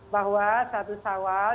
bahwa satu sawal